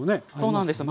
そうなんですよ。